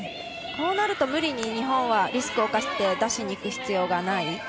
こうなると日本は無理にリスクを冒して出しに行く必要がない。